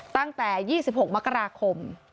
ตั้งแต่๒๖มกราคม